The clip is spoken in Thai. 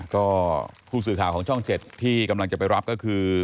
ก็ผู้สื่อข่าวของช่อง๗ที่กำลังจะไปรับก็คือ